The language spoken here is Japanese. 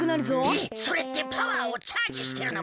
えっそれってパワーをチャージしてるのか？